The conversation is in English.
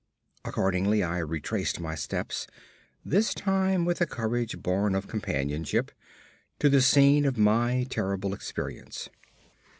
Accordingly I retraced my steps, this time with a courage born of companionship, to the scene of my terrible experience.